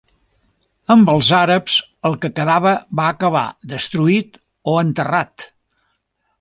Amb els àrabs el que quedava va acabar destruït o enterrat.